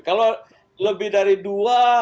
kalau lebih dari dua